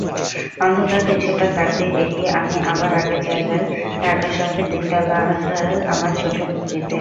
অন্ধকার কিছুটা কাটতেই দেখি আমি আবার আগের জায়গায় ঢাকা শহরের তিনতলার আমার ছোট্ট খুপরিতে।